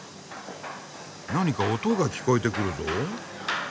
・何か音が聞こえてくるぞ。